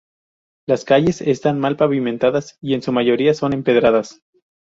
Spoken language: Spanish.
Las calles están mal pavimentadas y en su mayoría son empedradas.